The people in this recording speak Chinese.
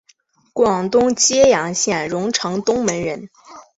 广东揭阳县榕城东门人。